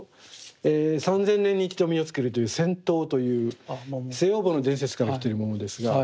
３，０００年に１度実をつけるという仙桃という西王母の伝説から来てるものですが。